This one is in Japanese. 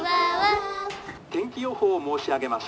「天気予報を申し上げます」。